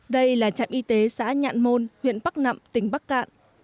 đây là trạm y tế xã nhạn môn huyện bắc nậm tỉnh bắc cạn